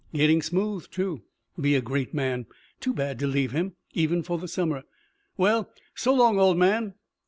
Getting smooth, too. Be a great man. Too bad to leave him even for the summer. "Well so long, old man."